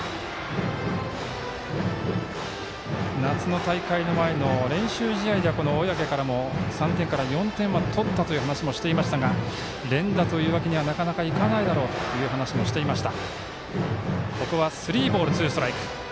夏の大会の前の練習試合では小宅からも３点から４点は取ったという話もしていましたが連打というわけにはなかなか、いかないだろうという話をしていました。